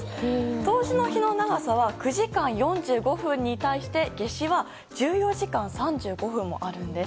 冬至の日の時間は９時間４５分に対して夏至は１４時間３５分もあるんです。